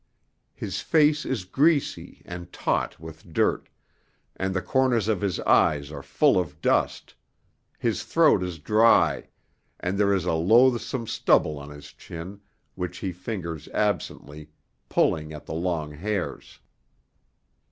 His face is greasy and taut with dirt, and the corners of his eyes are full of dust; his throat is dry, and there is a loathsome stubble on his chin, which he fingers absently, pulling at the long hairs.